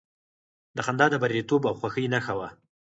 دا خندا د برياليتوب او خوښۍ نښه وه.